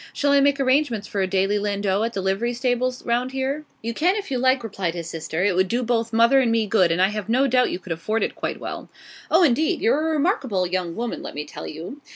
'Shall I make arrangements for a daily landau at the livery stables round here?' 'You can if you like,' replied his sister; 'it would do both mother and me good, and I have no doubt you could afford it quite well.' 'Oh, indeed! You're a remarkable young woman, let me tell you.